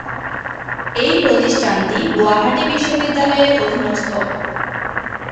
এই প্রতিষ্ঠানটি গুয়াহাটি বিশ্ববিদ্যালয়ের অধীনস্থ।